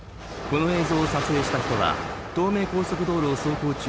この映像を撮影した人は東名高速道路を走行中